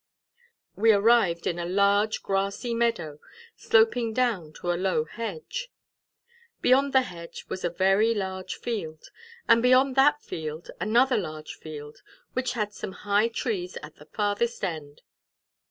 We arrived in a large, grassy meadow, sloping down to a low hedge. Beyond the hedge was a very large field, and beyond that field another large field, which had some high trees at the farthest end.